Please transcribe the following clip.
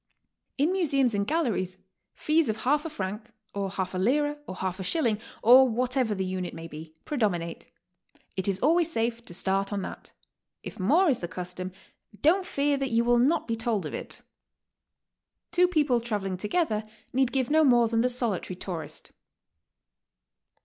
In museums and galleries, fees of half a franc, or half a lira, or half a shilling, or whatever the unit may be, pre dominate. It is always safe to start on that; if more is the custom, don't fear that you will not be told of it. Two people traveling together need give no more than the solitary tourist.